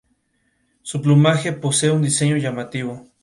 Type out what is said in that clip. Su plumaje posee un diseño llamativo.